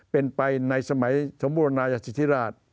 เป็นไปในสมัยสมบูรณายสิทธิราช